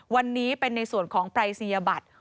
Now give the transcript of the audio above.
วันนี้เป็นในส่วนของปรายศนียบัตร